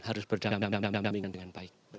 harus berdampingan dengan baik